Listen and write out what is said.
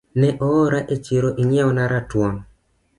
Ne oora e chiro ing'iew na ratuon